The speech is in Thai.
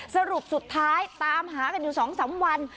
สรุปสุดท้ายตามหากันอยู่๒๓วัน